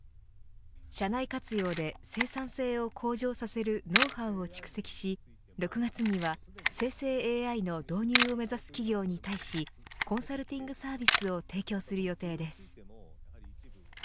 社内活用で生産性を向上させるノウハウを蓄積し６月には生成ＡＩの導入を目指す企業に対しコンサルティングサービスを提供する予定です。